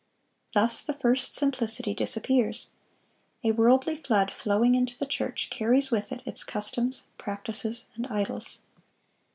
Thus "the first simplicity disappears." A worldly flood, flowing into the church, "carries with it its customs, practices, and idols."